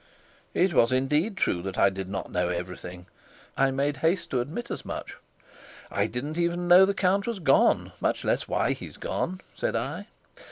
It was indeed true that I did not know everything. I made haste to admit as much. "I didn't even know that the count was gone, much less why he's gone," said I.